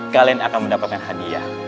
kalian akan mendapatkan hadiah